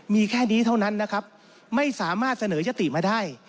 มีแค่นี้เท่านั้นนะครับไม่สามารถเสนอยติมาได้